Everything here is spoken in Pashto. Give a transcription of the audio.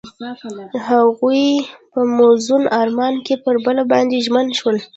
هغوی په موزون آرمان کې پر بل باندې ژمن شول.